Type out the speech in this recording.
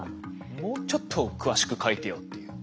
もうちょっと詳しく書いてよっていう。